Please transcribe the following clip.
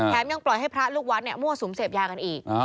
ยังปล่อยให้พระลูกวัดมั่วสุมเสพยากันอีก